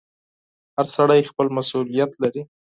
• هر سړی خپل مسؤلیت لري.